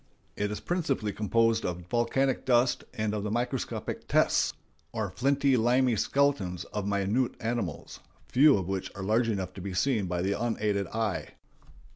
It is principally composed of volcanic dust and of the microscopic "tests," or flinty limy skeletons of minute animals, few of which are large enough to be seen by the unaided eye.